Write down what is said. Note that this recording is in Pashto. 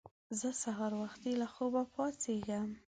زه سهار وختي له خوبه پاڅېږم